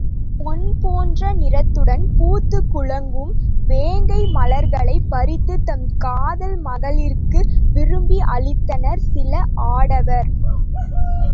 பொன்போன்ற நிறத்துடன் பூத்துக் குலுங்கும் வேங்கை மலர்களைப் பறித்துத் தம் காதல் மகளிர்க்கு விரும்பி அளித்தனர் சில ஆடவர்.